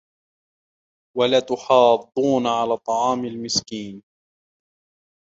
ولا تحاضون على طعام المسكين